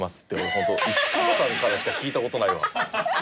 本当市川さんからしか聞いた事ないわ。